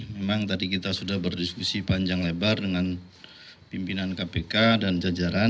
memang tadi kita sudah berdiskusi panjang lebar dengan pimpinan kpk dan jajaran